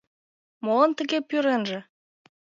Молан тыге пӱренже?..